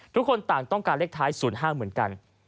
ทุกคนต่างต้องการเลขท้าย๐๕เหมือนกัน